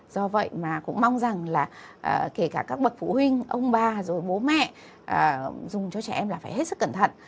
do vậy mà cũng mong rằng là kể cả các bậc phụ huynh ông bà rồi bố mẹ dùng cho trẻ em là phải hết sức cẩn thận